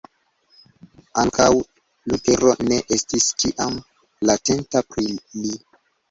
Ankaŭ Lutero ne estis ĉiam kontenta pri li.